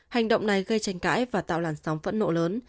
hành động này gây tranh cãi và tạo làn sóng phẫn nộ lớn